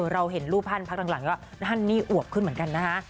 เราเห็นรูปท่านพักหลังก็ฮั่นนี่อวบขึ้นเหมือนกันนะคะ